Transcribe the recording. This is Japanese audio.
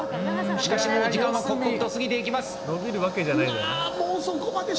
しかし、時間は刻々と過ぎていきます。